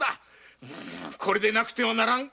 これでなくてはならん。